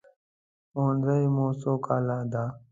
پوهنځی مو څو کاله ده؟